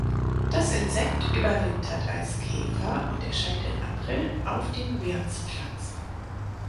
Das Insekt überwintert als Käfer und erscheint im April auf den Wirtspflanzen.